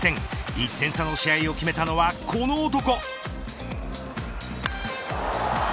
１点差の試合を決めたのはこの男。